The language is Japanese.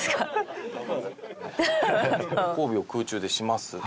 交尾を空中でします。